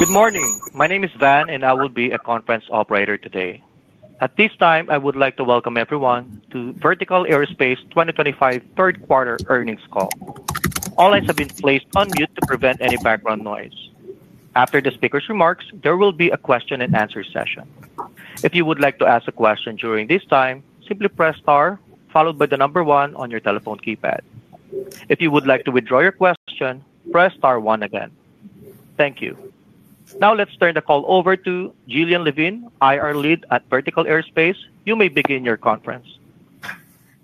Good morning. My name is Dan, and I will be a conference operator today. At this time, I would like to welcome everyone to Vertical Aerospace 2025 Third Quarter Earnings Call. All lines have been placed on mute to prevent any background noise. After the speaker's remarks, there will be a question-and-answer session. If you would like to ask a question during this time, simply press star, followed by the number one on your telephone keypad. If you would like to withdraw your question, press star one again. Thank you. Now let's turn the call over to Gillian Levine, IR Lead at Vertical Aerospace. You may begin your conference.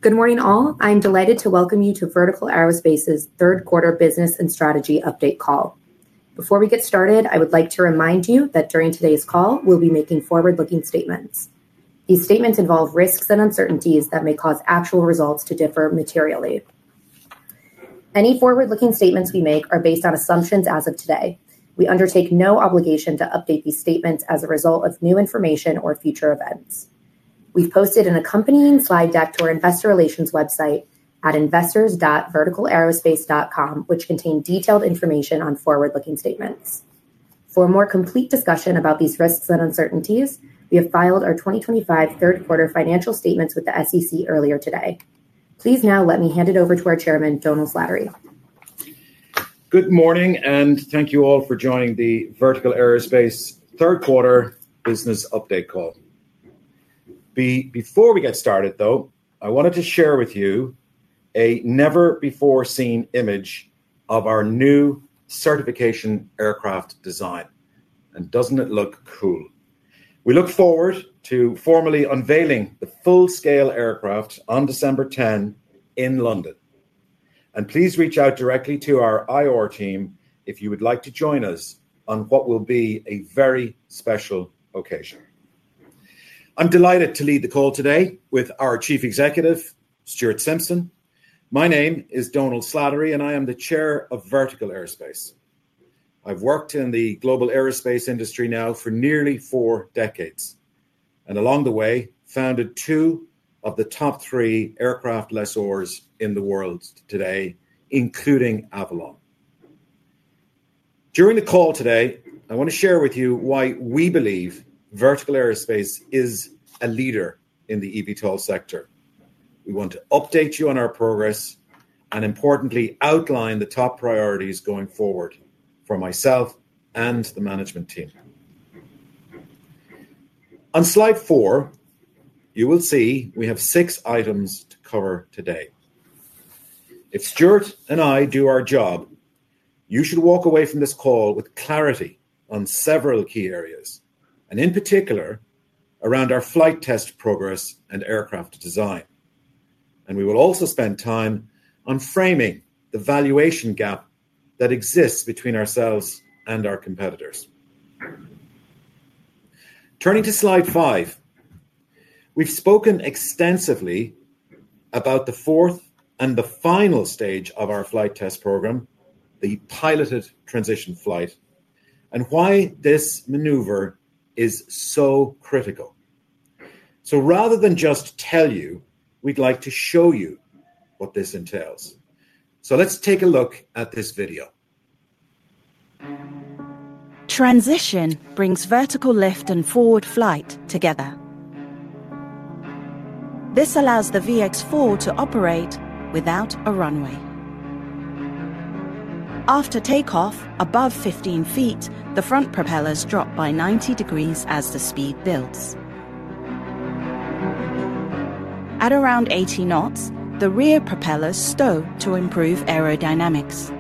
Good morning, all. I'm delighted to welcome you to Vertical Aerospace's Third Quarter Business and Strategy Update Call. Before we get started, I would like to remind you that during today's call, we'll be making forward-looking statements. These statements involve risks and uncertainties that may cause actual results to differ materially. Any forward-looking statements we make are based on assumptions as of today. We undertake no obligation to update these statements as a result of new information or future events. We've posted an accompanying slide deck to our investor relations website at investors.verticalaerospace.com, which contains detailed information on forward-looking statements. For a more complete discussion about these risks and uncertainties, we have filed our 2025 third quarter financial statements with the U.S. SEC earlier today. Please now let me hand it over to our Chairman, Domhnal Slattery. Good morning, and thank you all for joining the Vertical Aerospace third quarter business update call. Before we get started, though, I wanted to share with you a never-before-seen image of our new certification aircraft design. And doesn't it look cool? We look forward to formally unveiling the full-scale aircraft on December 10th in London. Please reach out directly to our IR team if you would like to join us on what will be a very special occasion. I'm delighted to lead the call today with our Chief Executive, Stuart Simpson. My name is Domhnal Slattery, and I am the Chair of Vertical Aerospace. I've worked in the global aerospace industry now for nearly four decades, and along the way, founded two of the top three aircraft lessors in the world today, including Avolon. During the call today, I want to share with you why we believe Vertical Aerospace is a leader in the eVTOL sector. We want to update you on our progress and, importantly, outline the top priorities going forward for myself and the management team. On slide four, you will see we have six items to cover today. If Stuart and I do our job, you should walk away from this call with clarity on several key areas, and in particular, around our flight test progress and aircraft design. We will also spend time on framing the valuation gap that exists between ourselves and our competitors. Turning to slide five, we've spoken extensively about the fourth and the final stage of our flight test program, the piloted transition flight, and why this maneuver is so critical. Rather than just tell you, we'd like to show you what this entails. Let's take a look at this video. Transition brings vertical lift and forward flight together. This allows the VX4 to operate without a runway. After takeoff, above 15 feet, the front propellers drop by 90 degrees as the speed builds. At around 80 knots, the rear propellers stow to improve aerodynamics.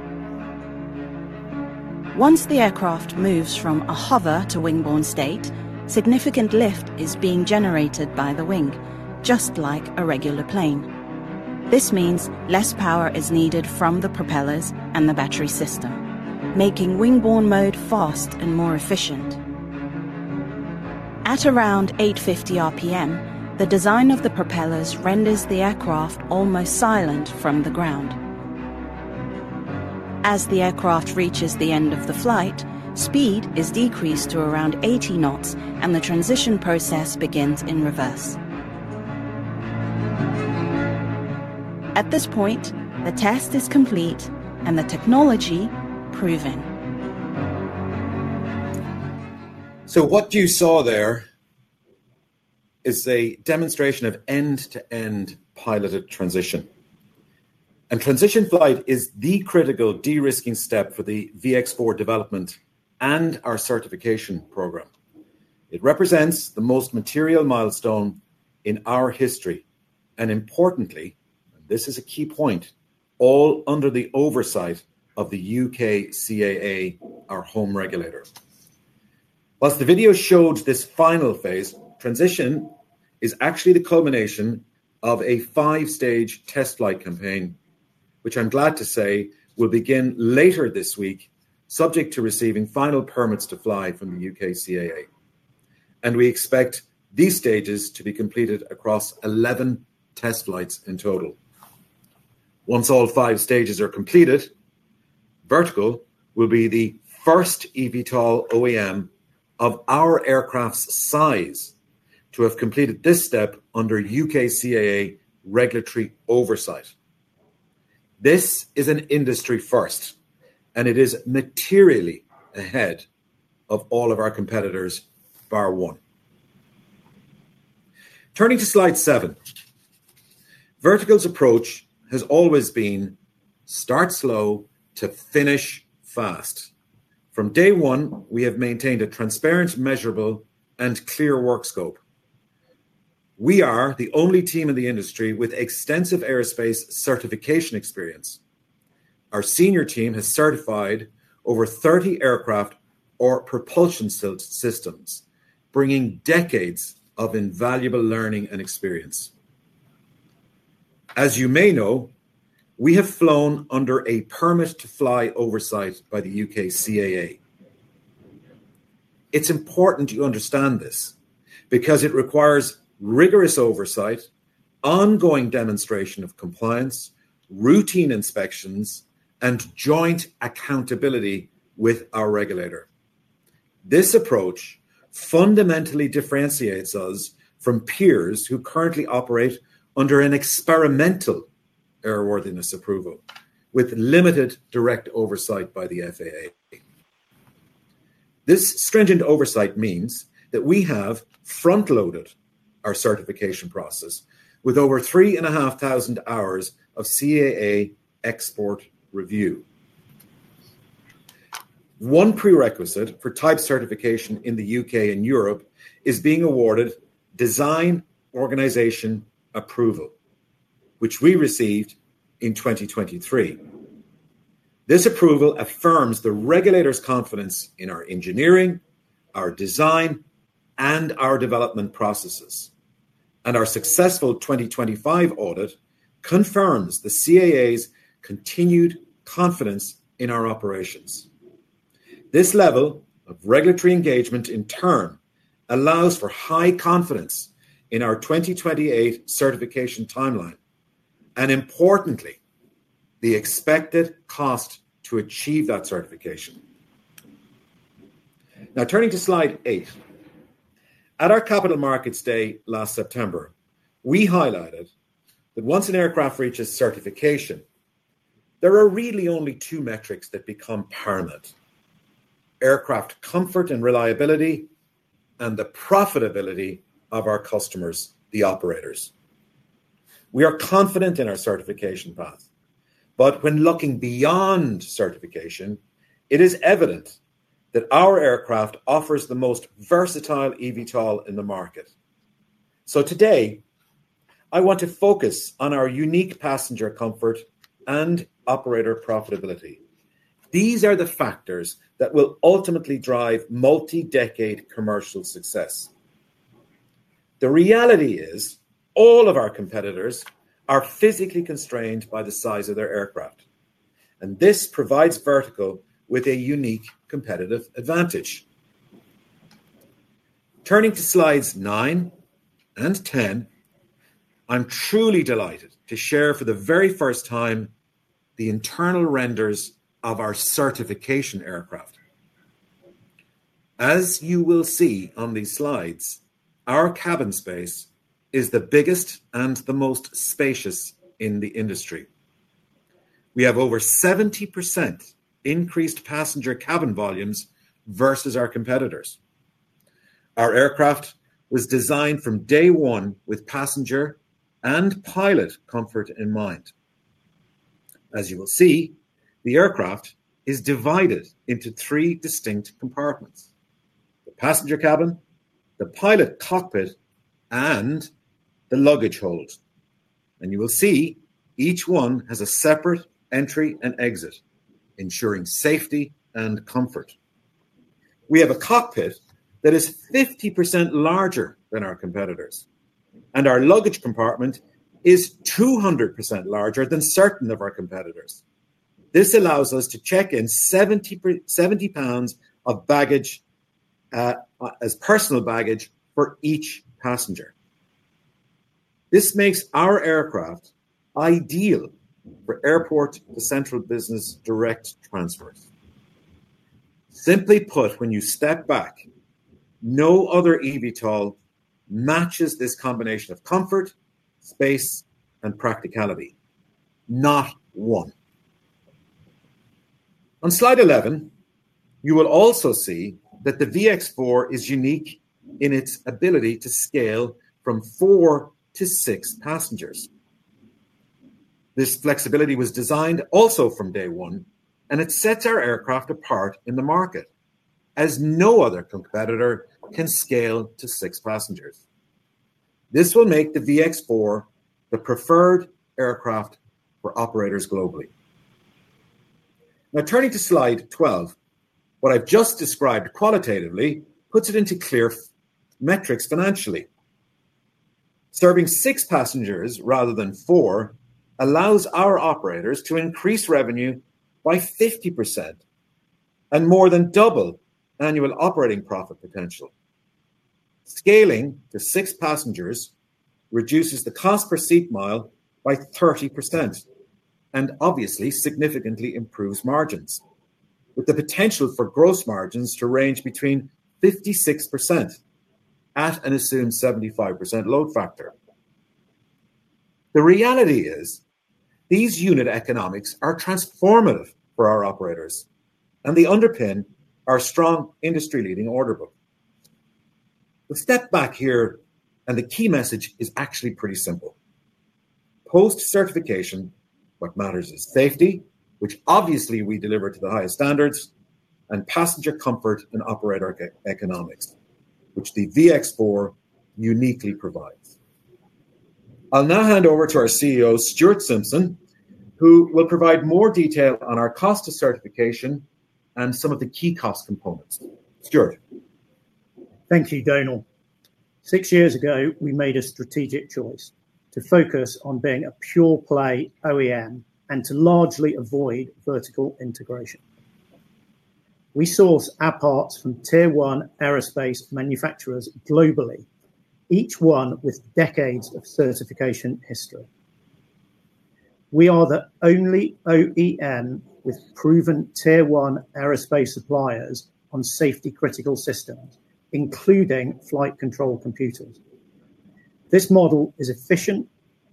Once the aircraft moves from a hover to wing-borne state, significant lift is being generated by the wing, just like a regular plane. This means less power is needed from the propellers and the battery system, making wing-borne mode fast and more efficient. At around 850 RPM, the design of the propellers renders the aircraft almost silent from the ground. As the aircraft reaches the end of the flight, speed is decreased to around 80 knots, and the transition process begins in reverse. At this point, the test is complete and the technology proven. So what you saw there is a demonstration of end-to-end piloted transition. Transition flight is the critical de-risking step for the VX4 development and our certification program. It represents the most material milestone in our history. Importantly, and this is a key point, all under the oversight of the U.K. CAA, our home regulator. Whilst the video showed this final phase, transition is actually the culmination of a five-stage test flight campaign, which I'm glad to say will begin later this week, subject to receiving final permits to fly from the U.K. CAA. We expect these stages to be completed across 11 test flights in total. Once all five stages are completed, Vertical will be the first eVTOL OEM of our aircraft's size to have completed this step under U.K. CAA regulatory oversight. This is an industry first, and it is materially ahead of all of our competitors, bar one. Turning to slide seven. Vertical's approach has always been start slow to finish fast. From day one, we have maintained a transparent, measurable, and clear work scope. We are the only team in the industry with extensive aerospace certification experience. Our senior team has certified over 30 aircraft or propulsion systems, bringing decades of invaluable learning and experience. As you may know, we have flown under a permit-to-fly oversight by the U.K. CAA. It's important you understand this because it requires rigorous oversight, ongoing demonstration of compliance, routine inspections, and joint accountability with our regulator. This approach fundamentally differentiates us from peers who currently operate under an experimental airworthiness approval with limited direct oversight by the FAA. This stringent oversight means that we have front-loaded our certification process with over 3,500 hours of CAA expert review. One prerequisite for type certification in the U.K. and Europe is being awarded design organization approval, which we received in 2023. This approval affirms the regulator's confidence in our engineering, our design, and our development processes. Our successful 2025 audit confirms the CAA's continued confidence in our operations. This level of regulatory engagement, in turn, allows for high confidence in our 2028 certification timeline and, importantly, the expected cost to achieve that certification. Now, turning to slide eight. At our Capital Markets Day last September, we highlighted that once an aircraft reaches certification, there are really only two metrics that become paramount. Aircraft comfort and reliability and the profitability of our customers, the operators. We are confident in our certification path, but when looking beyond certification, it is evident that our aircraft offers the most versatile eVTOL in the market. Today, I want to focus on our unique passenger comfort and operator profitability. These are the factors that will ultimately drive multi-decade commercial success. The reality is all of our competitors are physically constrained by the size of their aircraft, and this provides Vertical with a unique competitive advantage. Turning to slides nine and 10. I'm truly delighted to share for the very first time the internal renders of our certification aircraft. As you will see on these slides, our cabin space is the biggest and the most spacious in the industry. We have over 70% increased passenger cabin volumes versus our competitors. Our aircraft was designed from day one with passenger and pilot comfort in mind. As you will see, the aircraft is divided into three distinct compartments: the passenger cabin, the pilot cockpit, and the luggage hold. You will see each one has a separate entry and exit, ensuring safety and comfort. We have a cockpit that is 50% larger than our competitors, and our luggage compartment is 200% larger than certain of our competitors. This allows us to check in 70 pounds of personal baggage for each passenger. This makes our aircraft ideal for airport to central business direct transfers. Simply put, when you step back, no other eVTOL matches this combination of comfort, space, and practicality, not one. On slide 11, you will also see that the VX4 is unique in its ability to scale from four to six passengers. This flexibility was designed also from day one, and it sets our aircraft apart in the market as no other competitor can scale to six passengers. This will make the VX4 the preferred aircraft for operators globally. Now, turning to slide 12, what I've just described qualitatively puts it into clear metrics financially. Serving six passengers rather than four allows our operators to increase revenue by 50% and more than double annual operating profit potential. Scaling to six passengers reduces the cost per seat mile by 30% and obviously significantly improves margins, with the potential for gross margins to range between 56% at an assumed 75% load factor. The reality is these unit economics are transformative for our operators, and they underpin our strong industry-leading order book. The step back here and the key message is actually pretty simple. Post certification, what matters is safety, which obviously we deliver to the highest standards, and passenger comfort and operator economics, which the VX4 uniquely provides. I'll now hand over to our Chief Executive Officer, Stuart Simpson, who will provide more detail on our cost of certification and some of the key cost components. Stuart. Thank you, Domhnal. Six years ago, we made a strategic choice to focus on being a pure-play OEM and to largely avoid vertical integration. We source our parts from Tier 1 aerospace manufacturers globally, each one with decades of certification history. We are the only OEM with proven Tier 1 aerospace suppliers on safety-critical systems, including flight control computers. This model is efficient,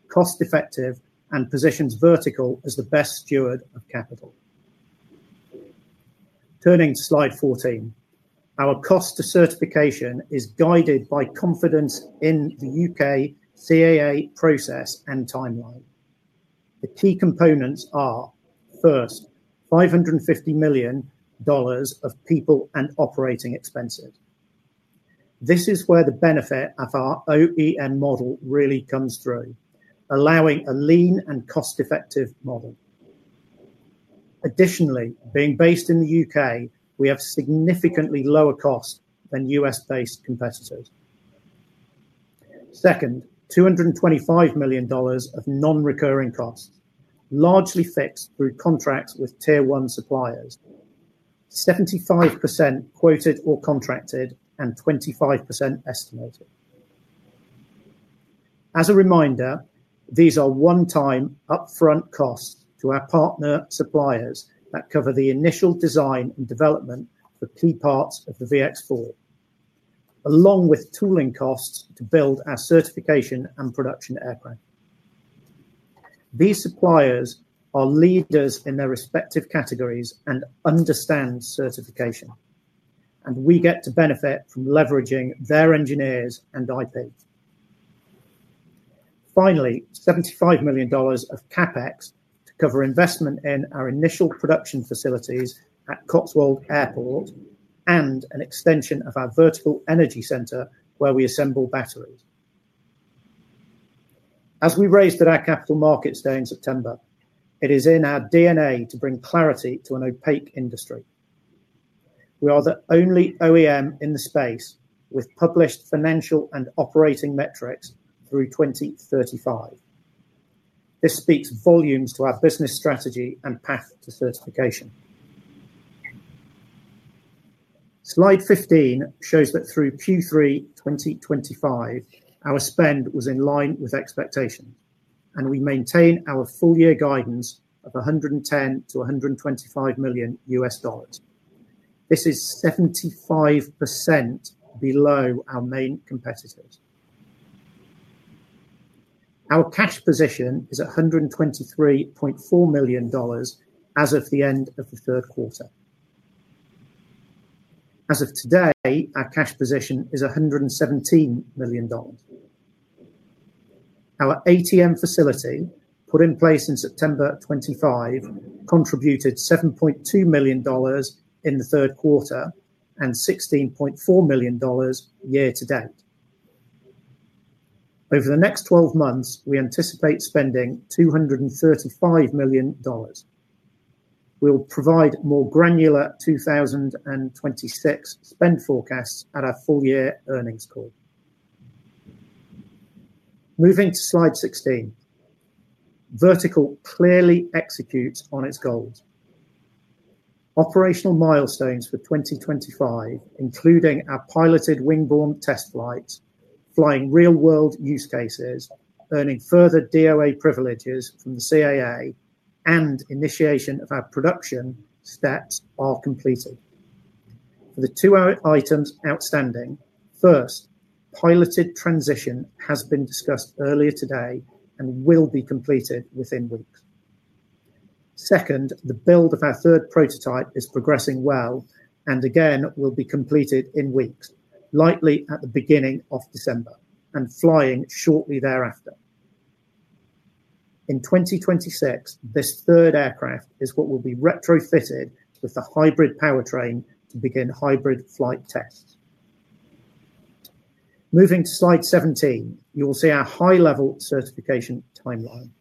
cost-effective, and positions Vertical as the best steward of capital. Turning to slide 14, our cost to certification is guided by confidence in the U.K. CAA process and timeline. The key components are, first, $550 million of people and operating expenses. This is where the benefit of our OEM model really comes through, allowing a lean and cost-effective model. Additionally, being based in the U.K., we have significantly lower costs than U.S.-based competitors. Second, $225 million of non-recurring costs, largely fixed through contracts with Tier 1 suppliers. 75% quoted or contracted and 25% estimated. As a reminder, these are one-time upfront costs to our partner suppliers that cover the initial design and development for key parts of the VX4. Along with tooling costs to build our certification and production aircraft. These suppliers are leaders in their respective categories and understand certification, and we get to benefit from leveraging their engineers and IP. Finally, $75 million of CapEx to cover investment in our initial production facilities at Cotswold Airport and an extension of our vertical energy center where we assemble batteries. As we raised at our Capital Markets Day in September, it is in our DNA to bring clarity to an opaque industry. We are the only OEM in the space with published financial and operating metrics through 2035. This speaks volumes to our business strategy and path to certification. Slide 15 shows that through Q3 2025, our spend was in line with expectations, and we maintain our full-year guidance of $110 million-$125 million. This is 75% below our main competitors. Our cash position is at $123.4 million as of the end of the third quarter. As of today, our cash position is $117 million. Our ATM facility put in place in September 2025 contributed $7.2 million in the third quarter and $16.4 million year-to-date. Over the next 12 months, we anticipate spending $235 million. We'll provide more granular 2026 spend forecasts at our full-year earnings call. Moving to slide 16. Vertical clearly executes on its goals. Operational milestones for 2025, including our piloted wing-borne test flights, flying real-world use cases, earning further DOA privileges from the CAA, and initiation of our production steps are completed. For the two items outstanding, first, piloted transition has been discussed earlier today and will be completed within weeks. Second, the build of our third prototype is progressing well and again will be completed in weeks, likely at the beginning of December and flying shortly thereafter. In 2026, this third aircraft is what will be retrofitted with the hybrid powertrain to begin hybrid flight tests. Moving to slide 17, you will see our high-level certification timeline.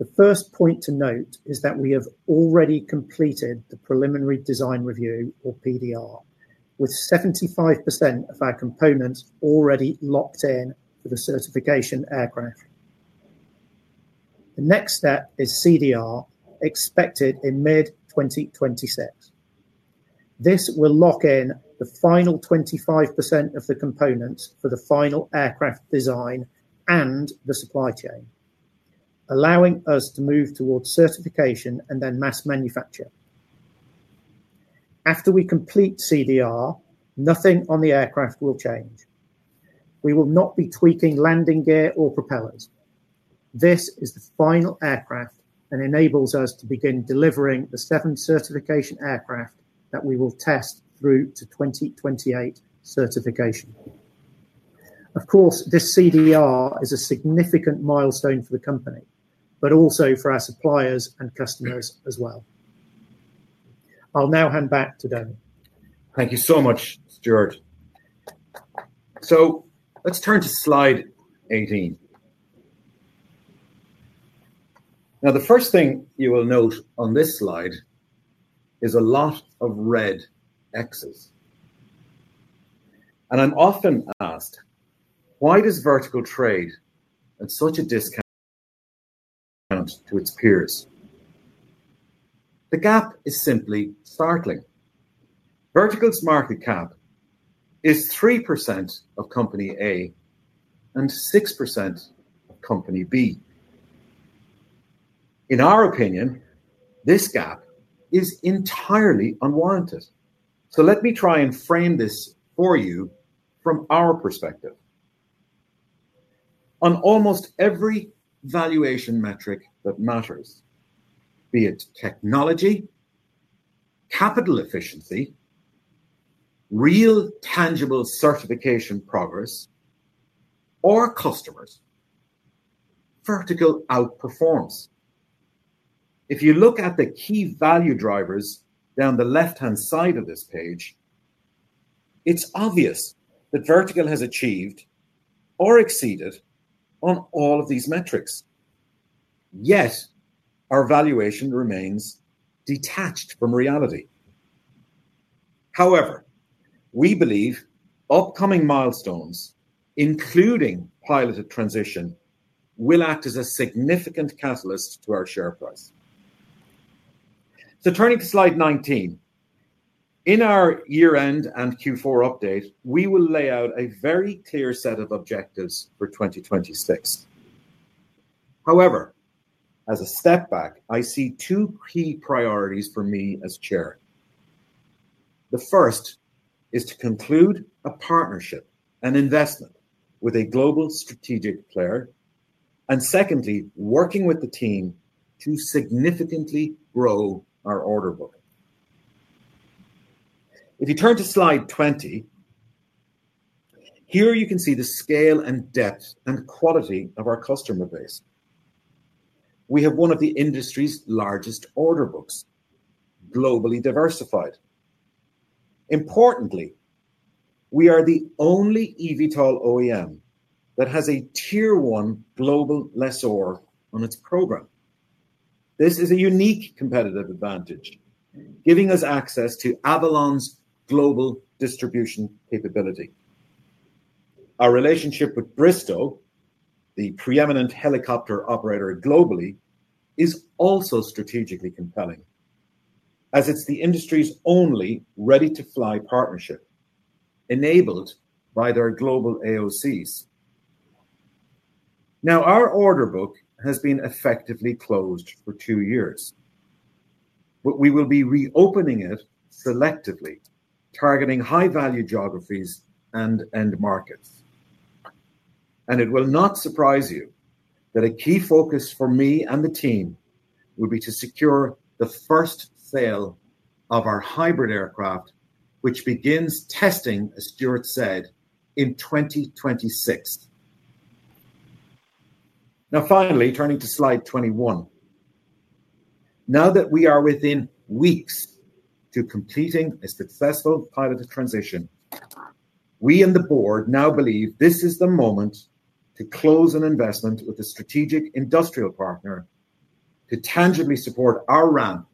The first point to note is that we have already completed the preliminary design review or PDR, with 75% of our components already locked in for the certification aircraft. The next step is CDR, expected in mid-2026. This will lock in the final 25% of the components for the final aircraft design and the supply chain. Allowing us to move towards certification and then mass manufacture. After we complete CDR, nothing on the aircraft will change. We will not be tweaking landing gear or propellers. This is the final aircraft and enables us to begin delivering the seven certification aircraft that we will test through to 2028 certification. Of course, this CDR is a significant milestone for the company, but also for our suppliers and customers as well. I'll now hand back to Dom. Thank you so much, Stuart. Let's turn to slide 18. Now, the first thing you will note on this slide is a lot of red axis. I'm often asked, why does Vertical trade at such a discount to its peers? The gap is simply startling. Vertical's market cap is 3% of company A and 6% of ompany B. In our opinion, this gap is entirely unwarranted. Let me try and frame this for you from our perspective. On almost every valuation metric that matters, be it technology, capital efficiency, real tangible certification progress, or customers, Vertical outperforms. If you look at the key value drivers down the left-hand side of this page, it's obvious that Vertical has achieved or exceeded on all of these metrics. Yet our valuation remains detached from reality. However, we believe upcoming milestones, including piloted transition, will act as a significant catalyst to our share price. Turning to slide 19. In our year-end and Q4 update, we will lay out a very clear set of objectives for 2026. However, as a step back, I see two key priorities for me as chair. The first is to conclude a partnership and investment with a global strategic player, and secondly, working with the team to significantly grow our order book. If you turn to slide 20. Here you can see the scale and depth and quality of our customer base. We have one of the industry's largest order books. Globally diversified. Importantly, we are the only eVTOL OEM that has a Tier 1 global lessor on its program. This is a unique competitive advantage, giving us access to Avolon's global distribution capability. Our relationship with Bristow, the preeminent helicopter operator globally, is also strategically compelling, as it's the industry's only ready-to-fly partnership enabled by their global AOCs. Now, our order book has been effectively closed for two years, but we will be reopening it selectively, targeting high-value geographies and end markets. It will not surprise you that a key focus for me and the team will be to secure the first sale of our hybrid aircraft, which begins testing, as Stuart said, in 2026. Now, finally, turning to slide 21. Now that we are within weeks to completing a successful piloted transition, we and the board now believe this is the moment to close an investment with a strategic industrial partner to tangibly support our ramp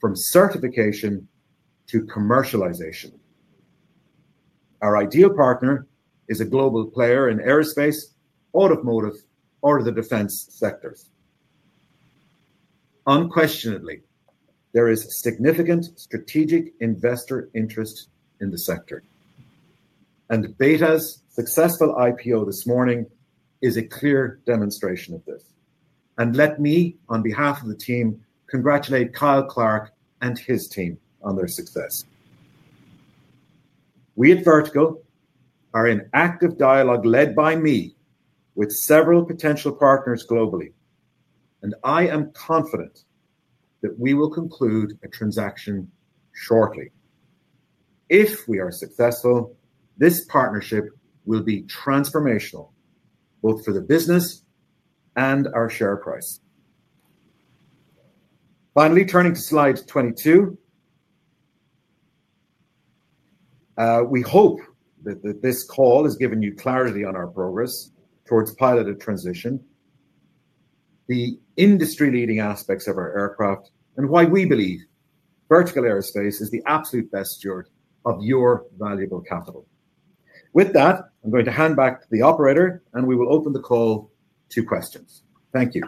from certification to commercialization. Our ideal partner is a global player in aerospace, automotive, or the defense sectors. Unquestionably, there is significant strategic investor interest in the sector, and Beta's successful IPO this morning is a clear demonstration of this. Let me, on behalf of the team, congratulate Kyle Clark and his team on their success. We at Vertical are in active dialogue led by me with several potential partners globally, and I am confident that we will conclude a transaction shortly. If we are successful, this partnership will be transformational both for the business. Our share price. Finally, turning to slide 22. We hope that this call has given you clarity on our progress towards piloted transition. The industry-leading aspects of our aircraft, and why we believe Vertical Aerospace is the absolute best steward of your valuable capital. With that, I'm going to hand back to the operator, and we will open the call to questions. Thank you.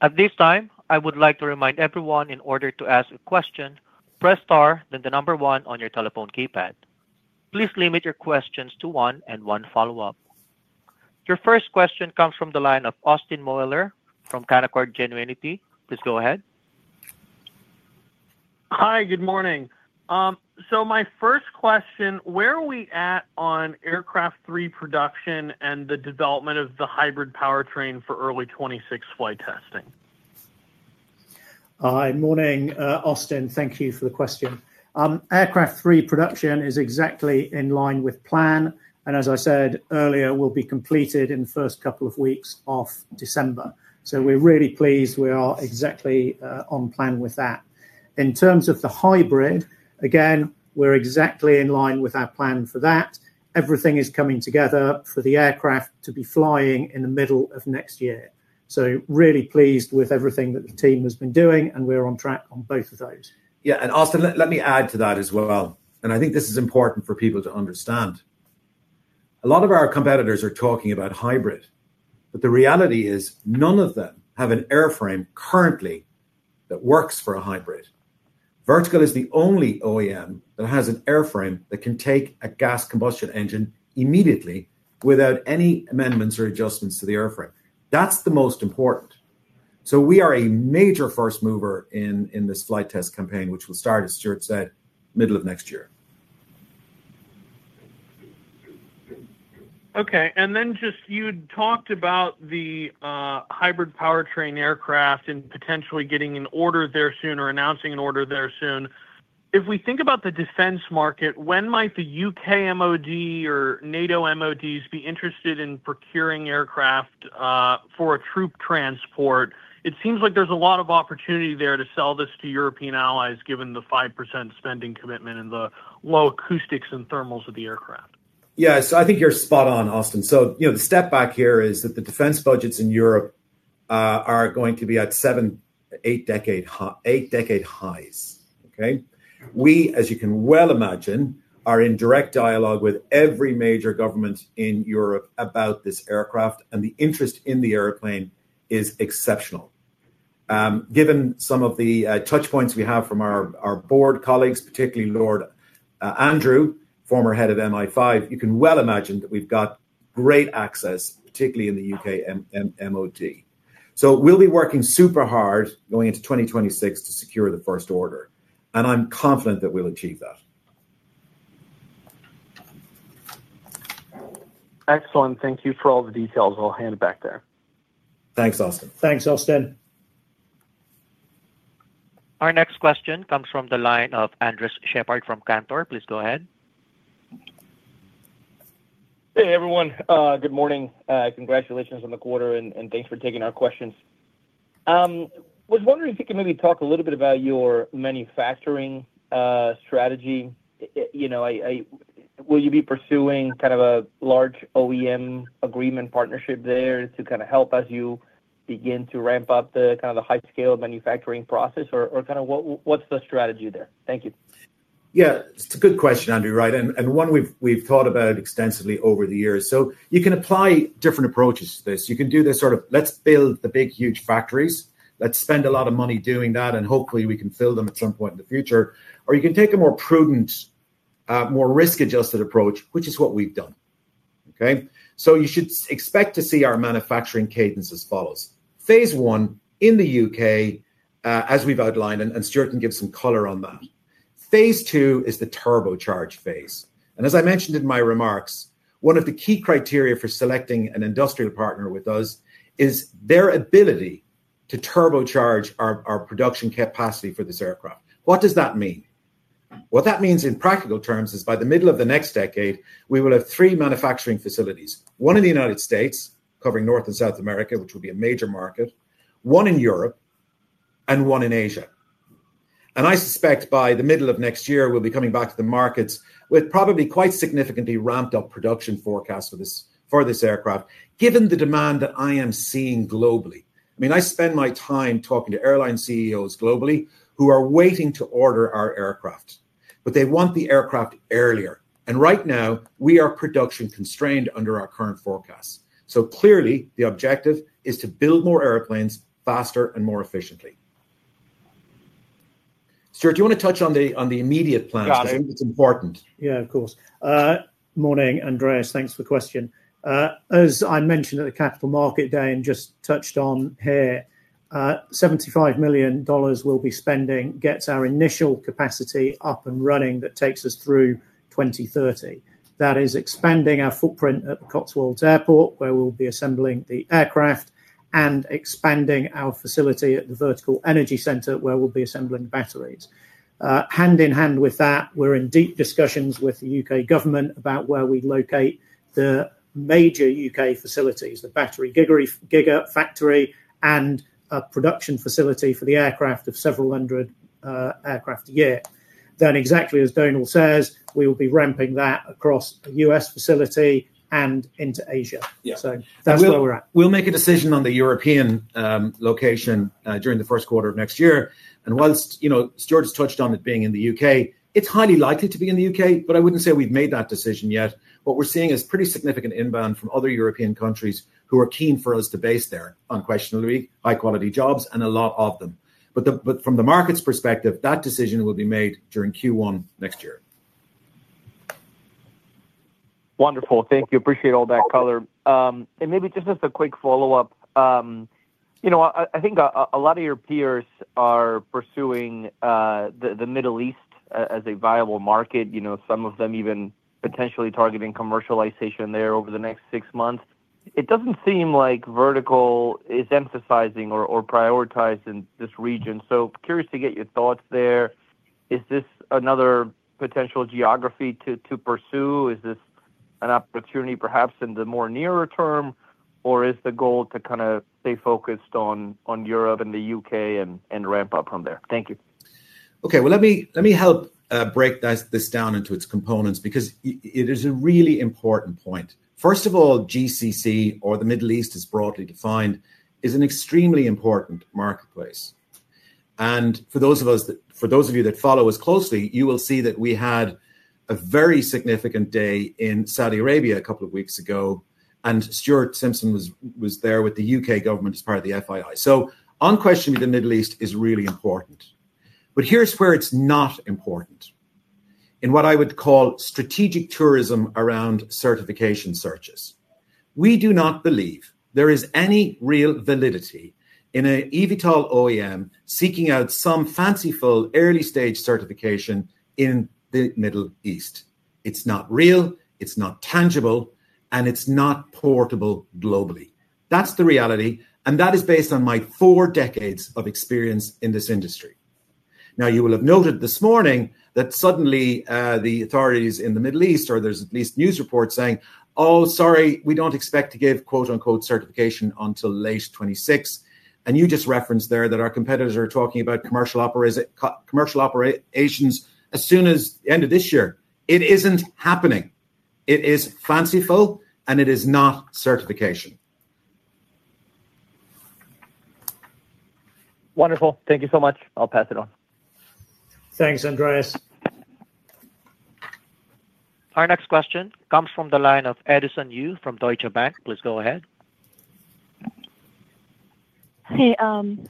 At this time, I would like to remind everyone in order to ask a question, press star then the number one on your telephone keypad. Please limit your questions to one and one follow-up. Your first question comes from the line of Austin Moeller from Canaccord Genuinity. Please go ahead. Hi, good morning. My first question, where are we at on Aircraft Three production and the development of the hybrid powertrain for early 2026 flight testing? Good morning, Austin. Thank you for the question. Aircraft Three production is exactly in line with plan, and as I said earlier, will be completed in the first couple of weeks of December. We're really pleased we are exactly on plan with that. In terms of the hybrid, again, we're exactly in line with our plan for that. Everything is coming together for the aircraft to be flying in the middle of next year. Really pleased with everything that the team has been doing, and we're on track on both of those. Yeah, and Austin, let me add to that as well. I think this is important for people to understand. A lot of our competitors are talking about hybrid, but the reality is none of them have an airframe currently that works for a hybrid. Vertical is the only OEM that has an airframe that can take a gas combustion engine immediately without any amendments or adjustments to the airframe. That's the most important. So we are a major first mover in this flight test campaign, which will start, as Stuart said, middle of next year. Okay. You talked about the hybrid powertrain aircraft and potentially getting an order there soon or announcing an order there soon. If we think about the defense market, when might the U.K. MOD or NATO MODs be interested in procuring aircraft for a troop transport? It seems like there's a lot of opportunity there to sell this to European allies, given the 5% spending commitment and the low acoustics and thermals of the aircraft. Yes. I think you're spot on, Austin. The step back here is that the defense budgets in Europe are going to be at seven, eight decade highs. Okay? We, as you can well imagine, are in direct dialogue with every major government in Europe about this aircraft, and the interest in the airplane is exceptional. Given some of the touchpoints we have from our Board colleagues, particularly Lord Andrew Parker, former Head of MI5, you can well imagine that we've got great access, particularly in the U.K. MOD. We'll be working super hard going into 2026 to secure the first order. And I'm confident that we'll achieve that. Excellent. Thank you for all the details. I'll hand it back there. Thanks, Austin. Thanks, Austin. Our next question comes from the line of Andres Sheppard from Cantor. Please go ahead. Hey, everyone. Good morning. Congratulations on the quarter, and thanks for taking our questions. Was wondering if you could maybe talk a little bit about your manufacturing strategy. Will you be pursuing kind of a large OEM agreement partnership there to kind of help as you begin to ramp up the kind of the high-scale manufacturing process? Or kind of what's the strategy there? Thank you. Yeah. It's a good question, Andre, right? One we've thought about extensively over the years. You can apply different approaches to this. You can do this sort of, let's build the big huge factories. Let's spend a lot of money doing that, and hopefully we can fill them at some point in the future. Or you can take a more prudent. More risk-adjusted approach, which is what we've done. Okay? You should expect to see our manufacturing cadence as follows. Phase I in the U.K., as we've outlined, and Stuart can give some color on that. Phase II is the turbocharge phase. As I mentioned in my remarks, one of the key criteria for selecting an industrial partner with us is their ability to turbocharge our production capacity for this aircraft. What does that mean? What that means in practical terms is by the middle of the next decade, we will have three manufacturing facilities: one in the United States, covering North and South America, which will be a major market; one in Europe; and one in Asia. I suspect by the middle of next year, we'll be coming back to the markets with probably quite significantly ramped-up production forecasts for this aircraft, given the demand that I am seeing globally. I mean, I spend my time talking to airline CEOs globally who are waiting to order our aircraft, but they want the aircraft earlier. Right now, we are production-constrained under our current forecasts. Clearly, the objective is to build more airplanes faster and more efficiently. Stuart, do you want to touch on the immediate plan? Because I think it's important. Yeah, of course. Morning, Andreas. Thanks for the question. As I mentioned at the capital market day, and just touched on here. $75 million we'll be spending gets our initial capacity up and running that takes us through 2030. That is expanding our footprint at the Cotswold Airport, where we'll be assembling the aircraft, and expanding our facility at the Vertical Energy Center, where we'll be assembling batteries. Hand-in-hand with that, we're in deep discussions with the U.K. government about where we locate the major U.K. facilities, the battery giga factory and a production facility for the aircraft of several hundred aircraft a year. Then exactly as Domhnal says, we will be ramping that across a U.S. facility and into Asia. So that's where we're at. We'll make a decision on the European location during the first quarter of next year. Whilst Stuart's touched on it being in the U.K., it's highly likely to be in the U.K., but I wouldn't say we've made that decision yet. What we're seeing is pretty significant inbound from other European countries who are keen for us to base there, unquestionably, high-quality jobs and a lot of them. But from the market's perspective, that decision will be made during Q1 next year. Wonderful. Thank you. Appreciate all that color. Maybe just as a quick follow-up. I think a lot of your peers are pursuing the Middle East as a viable market. Some of them even potentially targeting commercialization there over the next six months. It doesn't seem like Vertical is emphasizing or prioritizing this region. So curious to get your thoughts there. Is this another potential geography to pursue? Is this an opportunity perhaps in the more nearer term, or is the goal to kind of stay focused on Europe and the U.K. and ramp up from there? Thank you. Okay. Let me help break this down into its components because it is a really important point. First of all, GCC, or the Middle East as broadly defined, is an extremely important marketplace. For those of us, for those of you that follow us closely, you will see that we had a very significant day in Saudi Arabia a couple of weeks ago, and Stuart Simpson was there with the U.K. government as part of the FII. Unquestionably, the Middle East is really important. Here is where it is not important. In what I would call strategic tourism around certification searches. We do not believe there is any real validity in an eVTOL OEM seeking out some fanciful early-stage certification in the Middle East. It is not real, it is not tangible, and it is not portable globally. That is the reality. That is based on my four decades of experience in this industry. You will have noted this morning that suddenly the authorities in the Middle East, or there are at least news reports saying, "Oh, sorry, we do not expect to give 'certification' until late 2026." You just referenced there that our competitors are talking about commercial operations as soon as the end of this year. It is not happening. It is fanciful, and it is not certification. Wonderful. Thank you so much. I'll pass it on. Thanks, Andreas. Our next question comes from the line of Edison Yu from Deutsche Bank. Please go ahead. Hey,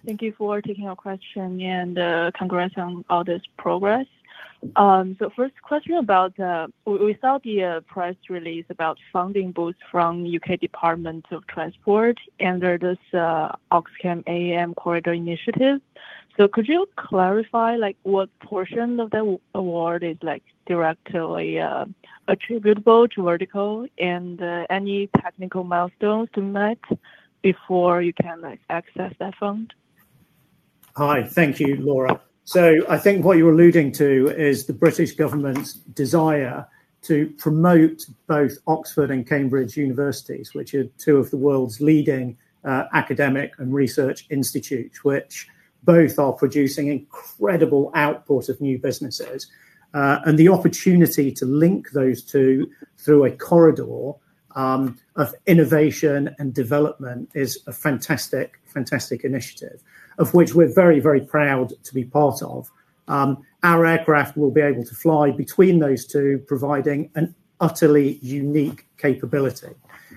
thank you for taking our question and congrats on all this progress. So first question about. We saw the press release about funding both from the U.K. Department of Transport and this OxCam AAM Corridor initiative. So could you clarify what portion of the award is directly attributable to Vertical and any technical milestones to be met before you can access that fund? Hi. Thank you, Laura. I think what you're alluding to is the British government's desire to promote both Oxford and Cambridge Universities, which are two of the world's leading academic and research institutes, which both are producing incredible output of new businesses. And the opportunity to link those two through a corridor of innovation and development is a fantastic, fantastic initiative of which we're very, very proud to be part of. Our aircraft will be able to fly between those two, providing an utterly unique capability.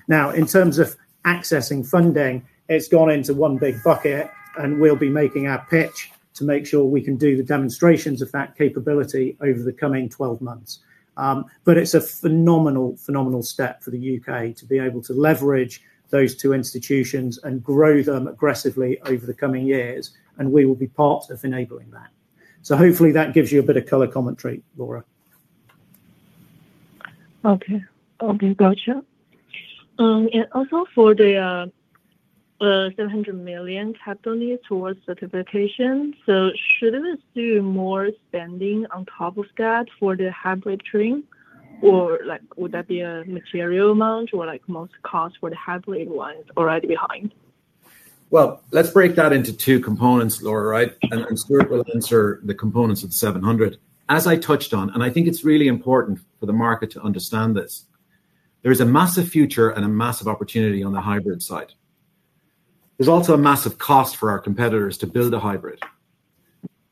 Now, in terms of accessing funding, it's gone into one big bucket, and we'll be making our pitch to make sure we can do the demonstrations of that capability over the coming 12 months. But it's a phenomenal, phenomenal step for the U.K. to be able to leverage those two institutions and grow them aggressively over the coming years, and we will be part of enabling that. Hopefully that gives you a bit of color commentary, Laura. Got you. And also for the $700 million capital needs towards certification, so shouldn't we do more spending on top of that for the hybrid powertrain? Or would that be a material amount or most cost for the hybrid ones already behind? Let's break that into two components, Laura, right? And Stuart will answer the components of the $700 million, as I touched on. And I think it's really important for the market to understand this. There is a massive future and a massive opportunity on the hybrid side. There's also a massive cost for our competitors to build a hybrid.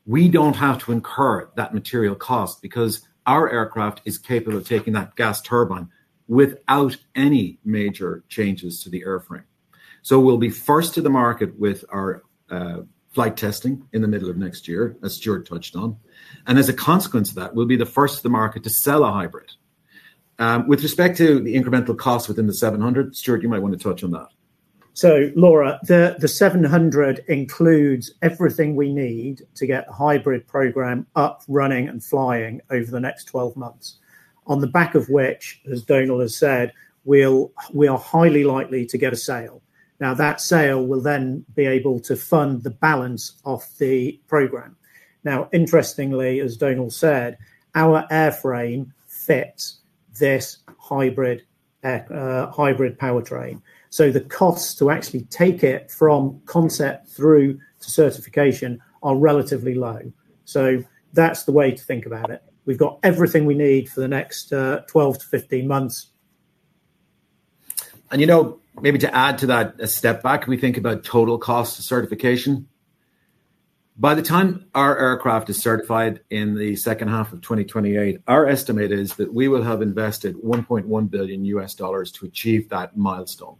We don't have to incur that material cost because our aircraft is capable of taking that gas turbine without any major changes to the airframe. So we'll be first to the market with our flight testing in the middle of next year, as Stuart touched on. And as a consequence of that, we'll be the first to the market to sell a hybrid. With respect to the incremental costs within the $700 million, Stuart, you might want to touch on that. Laura, the $700 million includes everything we need to get the hybrid program up, running, and flying over the next 12 months. On the back of which, as Domhnal has said, we are highly likely to get a sale. Now, that sale will then be able to fund the balance of the program. Now, interestingly, as Domhnal said, our airframe fits this hybrid powertrain. The costs to actually take it from concept through to certification are relatively low. That's the way to think about it. We've got everything we need for the next 12 to 15 months. Maybe to add to that a step back, we think about total costs of certification. By the time our aircraft is certified in the second half of 2028, our estimate is that we will have invested $1.1 billion to achieve that milestone.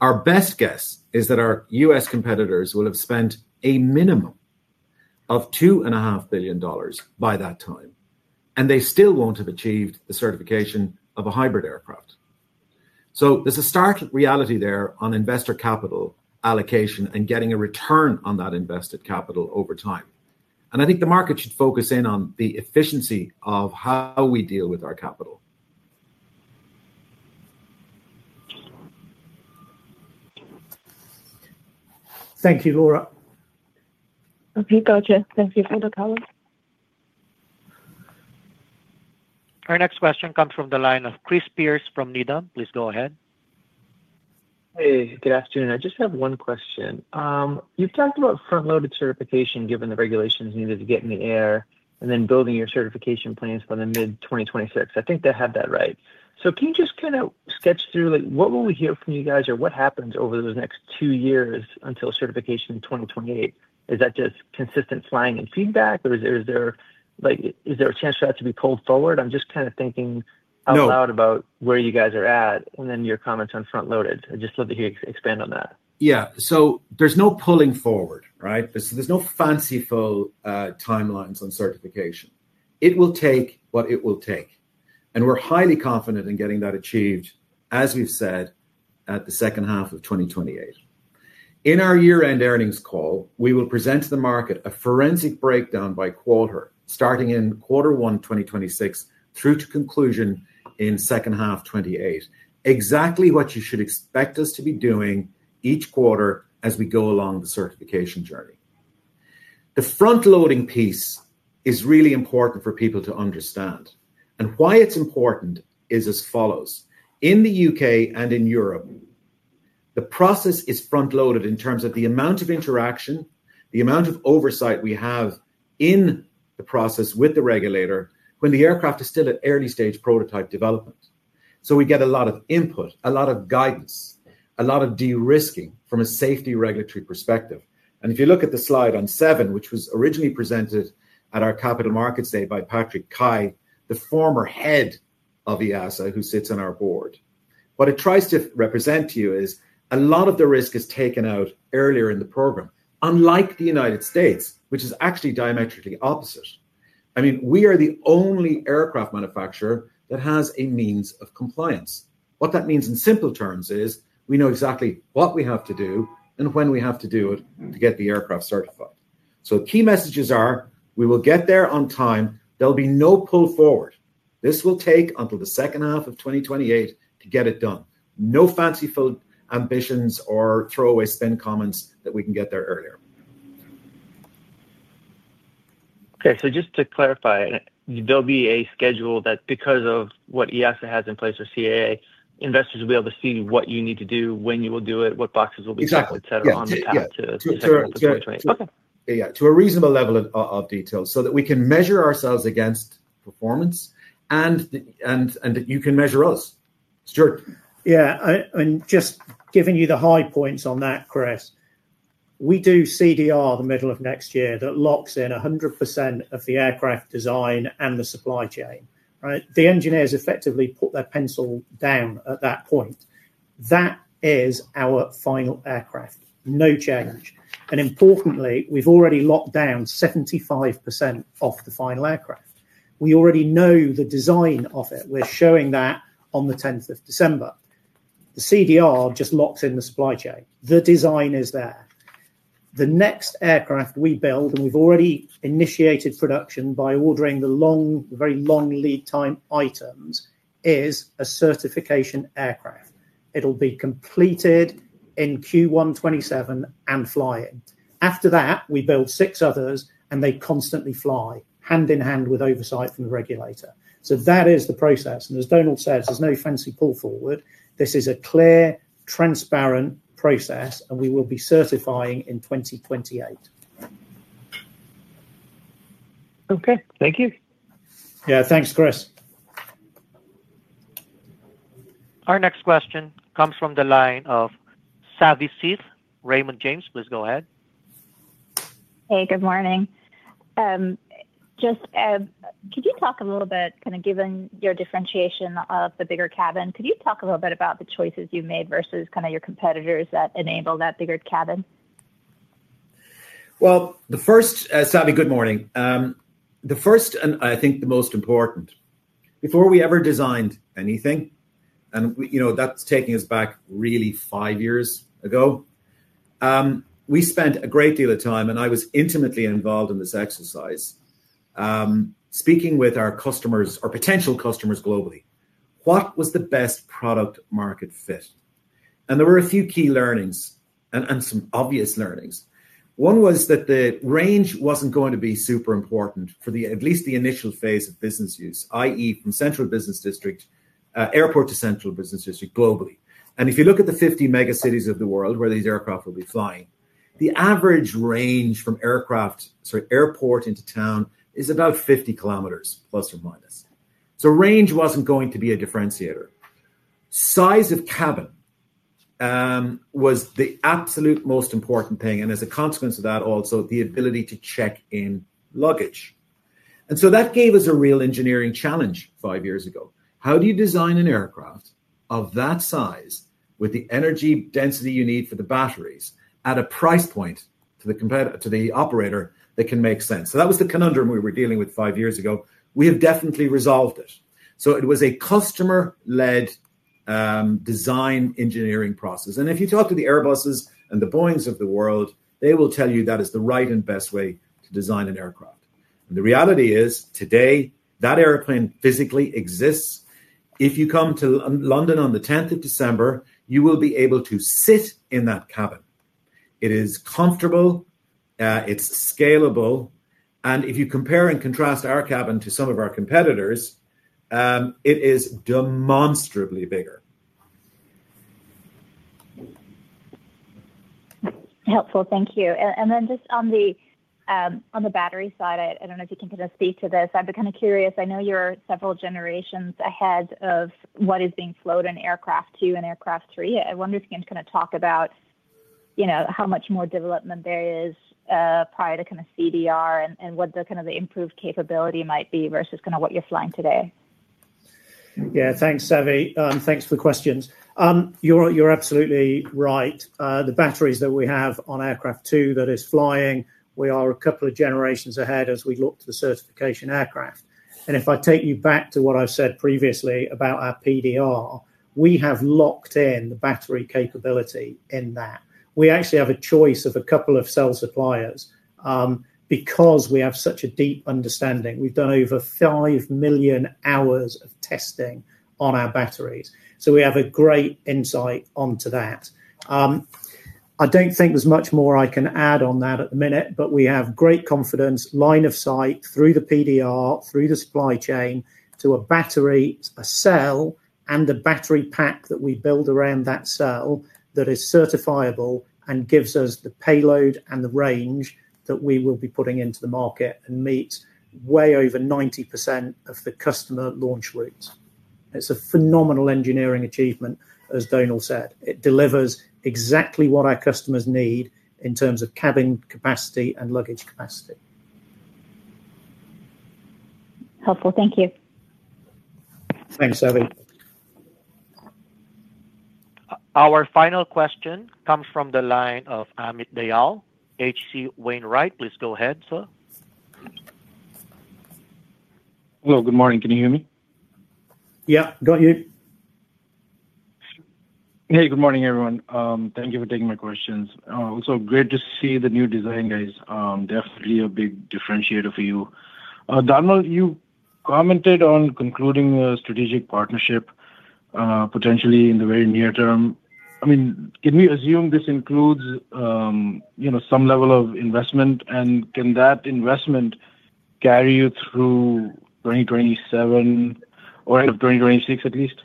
Our best guess is that our U.S. competitors will have spent a minimum of $2.5 billion by that time. They still won't have achieved the certification of a hybrid aircraft. So there's a stark reality there on investor capital allocation and getting a return on that invested capital over time. I think the market should focus in on the efficiency of how we deal with our capital. Thank you, Laura. Okay. Got you. Thank you for the color. Our next question comes from the line of Chris Pierce from Needham. Please go ahead. Hey, good afternoon. I just have one question. You've talked about front-loaded certification given the regulations needed to get in the air and then building your certification plans by the mid-2026. I think that had that right. So can you just kind of sketch through what will we hear from you guys or what happens over those next two years until certification in 2028? Is that just consistent flying and feedback, or is there a chance for that to be pulled forward? I'm just kind of thinking out loud about where you guys are at and then your comments on front-loaded. I'd just love to hear you expand on that. Yeah. So there's no pulling forward, right? There's no fanciful timelines on certification. It will take what it will take. We're highly confident in getting that achieved, as we've said, at the second half of 2028. In our year-end earnings call, we will present to the market a forensic breakdown by quarter, starting in quarter one 2026 through to conclusion in second half 2028, exactly what you should expect us to be doing each quarter as we go along the certification journey. The front-loading piece is really important for people to understand. Why it's important is as follows. In the U.K. and in Europe, the process is front-loaded in terms of the amount of interaction, the amount of oversight we have in the process with the regulator when the aircraft is still at early-stage prototype development. So we get a lot of input, a lot of guidance, a lot of de-risking from a safety regulatory perspective. If you look at the slide on seven, which was originally presented at our Capital Markets Day by Patrick Kai, the former Head of EASA who sits on our Board, what it tries to represent to you is a lot of the risk is taken out earlier in the program, unlike the United States, which is actually diametrically opposite. I mean, we are the only aircraft manufacturer that has a means of compliance. What that means in simple terms is we know exactly what we have to do and when we have to do it to get the aircraft certified. So key messages are we will get there on time. There'll be no pull forward. This will take until the second half of 2028 to get it done. No fanciful ambitions or throwaway spend comments that we can get there earlier. Okay. So just to clarify, there'll be a schedule that because of what EASA has in place or CAA, investors will be able to see what you need to do, when you will do it, what boxes will be filled, et cetera, on the path to September 2028. Yeah. To a reasonable level of detail so that we can measure ourselves against performance and that you can measure us. Stuart. Yeah. Just giving you the high points on that, Chris. We do CDR the middle of next year that locks in 100% of the aircraft design and the supply chain, right? The engineers effectively put their pencil down at that point. That is our final aircraft. No change. Importantly, we've already locked down 75% of the final aircraft. We already know the design of it. We're showing that on the 10th of December. The CDR just locks in the supply chain. The design is there. The next aircraft we build, and we've already initiated production by ordering the very long lead time items, is a certification aircraft. It'll be completed in Q1 2027 and flying. After that, we build six others, and they constantly fly hand in hand with oversight from the regulator. So that is the process. As Domhnal says, there's no fancy pull forward. This is a clear, transparent process, and we will be certifying in 2028. Okay. Thank you. Yeah. Thanks, Chris. Our next question comes from the line of Savi Syth, Raymond James, please go ahead. Good morning. Just, could you talk a little bit, kind of given your differentiation of the bigger cabin, could you talk a little bit about the choices you made versus kind of your competitors that enable that bigger cabin? The first, Savi, good morning. The first, and I think the most important, before we ever designed anything, and that's taking us back really five years ago. We spent a great deal of time, and I was intimately involved in this exercise, speaking with our customers or potential customers globally, what was the best product-market fit? And there were a few key learnings and some obvious learnings. One was that the range wasn't going to be super important for at least the initial phase of business use, i.e., from central business district, airport to central business district globally. And if you look at the 50 mega cities of the world where these aircraft will be flying, the average range from airport into town is about 50 km, plus or minus. So range wasn't going to be a differentiator. Size of cabin. Was the absolute most important thing. And as a consequence of that, also the ability to check in luggage. And so that gave us a real engineering challenge five years ago. How do you design an aircraft of that size with the energy density you need for the batteries at a price point to the operator that can make sense? So that was the conundrum we were dealing with five years ago. We have definitely resolved it. So it was a customer-led. Design engineering process. And if you talk to the Airbus's and the Boeing's of the world, they will tell you that is the right and best way to design an aircraft. And the reality is today, that airplane physically exists. If you come to London on the 10th of December, you will be able to sit in that cabin. It is comfortable. It's scalable. And if you compare and contrast our cabin to some of our competitors, it is demonstrably bigger. Helpful. Thank you. Then just on the battery side, I don't know if you can kind of speak to this. I've been kind of curious. I know you're several generations ahead of what is being flown in aircraft two and Aircraft Three. I wonder if you can kind of talk about how much more development there is prior to kind of CDR and what kind of the improved capability might be versus kind of what you're flying today. Yeah. Thanks, Savi. Thanks for the questions. You're absolutely right. The batteries that we have on aircraft two that is flying, we are a couple of generations ahead as we look to the certification aircraft. If I take you back to what I've said previously about our PDR, we have locked in the battery capability in that. We actually have a choice of a couple of cell suppliers. Because we have such a deep understanding. We've done over five million hours of testing on our batteries. So we have a great insight onto that. I don't think there's much more I can add on that at the minute, but we have great confidence, line of sight through the PDR, through the supply chain to a battery, a cell, and a battery pack that we build around that cell that is certifiable and gives us the payload and the range that we will be putting into the market and meet way over 90% of the customer launch routes. It's a phenomenal engineering achievement, as Domhnal said. It delivers exactly what our customers need in terms of cabin capacity and luggage capacity. Helpful. Thank you. Thanks, Savi. Our final question comes from the line of Amit Dayal with H.C. Wainwright. Please go ahead, sir. Hello. Good morning. Can you hear me? Yeah. Got you. Hey, good morning, everyone. Thank you for taking my questions. It's so great to see the new design, guys. Definitely a big differentiator for you. Domhnal, you commented on concluding a strategic partnership potentially in the very near term. I mean, can we assume this includes some level of investment? And can that investment carry you through 2027 or end of 2026 at least?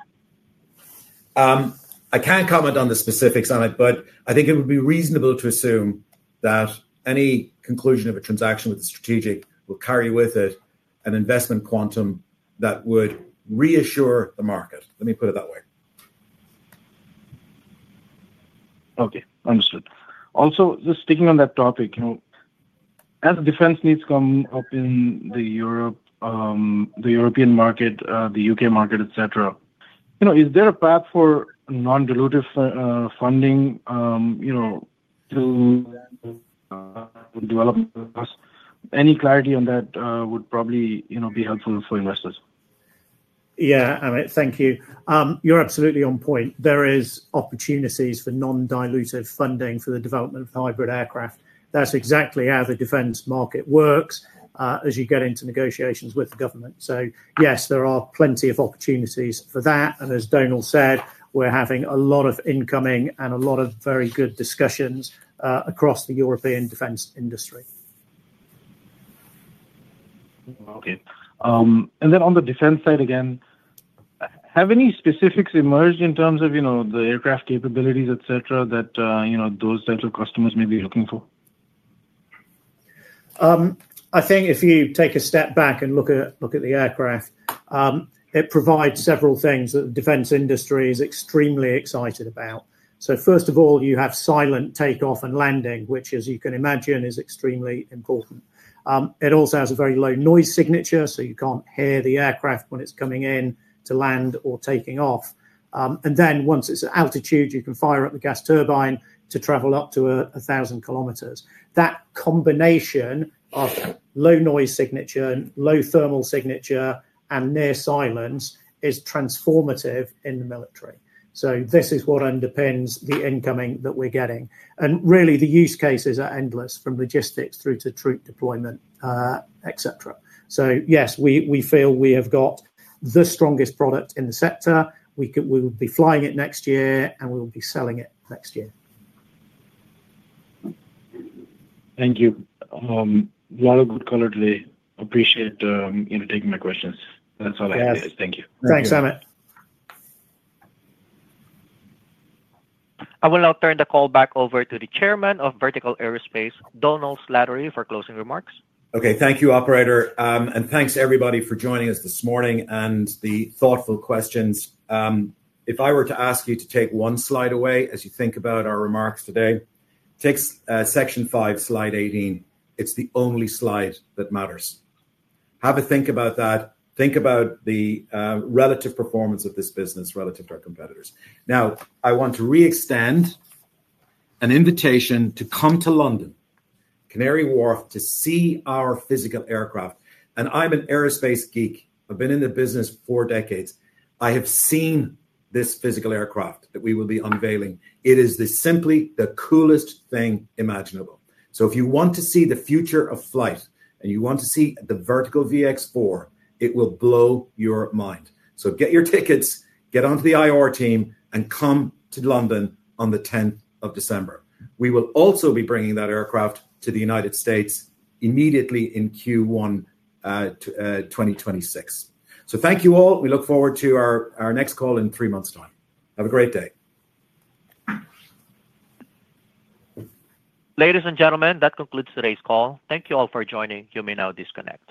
I can't comment on the specifics on it, but I think it would be reasonable to assume that any conclusion of a transaction with the strategic will carry with it an investment quantum that would reassure the market. Let me put it that way. Okay. Understood. Also, just sticking on that topic. As defense needs come up in the European market, the U.K. market, et cetera, is there a path for non-dilutive funding to develop? Any clarity on that would probably be helpful for investors. Yeah. Thank you. You're absolutely on point. There are opportunities for non-dilutive funding for the development of hybrid aircraft. That's exactly how the defense market works as you get into negotiations with the government. So yes, there are plenty of opportunities for that. As Domhnal said, we're having a lot of incoming and a lot of very good discussions across the European defense industry. Okay. Then on the defense side again. Have any specifics emerged in terms of the aircraft capabilities, et cetera, that those types of customers may be looking for? I think if you take a step back and look at the aircraft, it provides several things that the defense industry is extremely excited about. First of all, you have silent takeoff and landing, which, as you can imagine, is extremely important. It also has a very low noise signature, so you can't hear the aircraft when it's coming in to land or taking off. Then once it's at altitude, you can fire up the gas turbine to travel up to 1,000 km. That combination of low noise signature, low thermal signature, and near silence is transformative in the military. This is what underpins the incoming that we're getting. Really, the use cases are endless from logistics through to troop deployment, et cetera. Yes, we feel we have got the strongest product in the sector. We will be flying it next year, and we will be selling it next year. Thank you. A lot of good color today. Appreciate taking my questions. That's all I had. Thank you. Thanks, Amit. I will now turn the call back over to the Chairman of Vertical Aerospace, Domhnal Slattery, for closing remarks. Okay. Thank you, operator. Thanks, everybody, for joining us this morning and the thoughtful questions. If I were to ask you to take one slide away as you think about our remarks today, take section five, slide 18. It's the only slide that matters. Have a think about that. Think about the relative performance of this business relative to our competitors. Now, I want to re-extend an invitation to come to London, Canary Wharf, to see our physical aircraft. I'm an aerospace geek. I've been in the business for decades. I have seen this physical aircraft that we will be unveiling. It is simply the coolest thing imaginable. If you want to see the future of flight and you want to see the Vertical VX4, it will blow your mind. Get your tickets, get onto the IR team, and come to London on the 10th of December. We will also be bringing that aircraft to the United States immediately in Q1 2026. Thank you all. We look forward to our next call in three months' time. Have a great day. Ladies and gentlemen, that concludes today's call. Thank you all for joining. You may now disconnect.